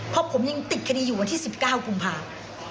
เพราะผมยังติดคดีอยู่วันที่๑๙กุมภาคม